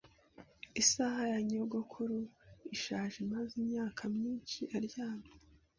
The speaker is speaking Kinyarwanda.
Isaha ya nyogokuru ishaje imaze imyaka myinshi aryamye.